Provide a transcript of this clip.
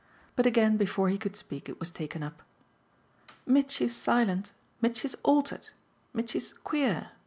But again before he could speak it was taken up. "Mitchy's silent, Mitchy's altered, Mitchy's queer!"